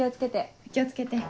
お気を付けて。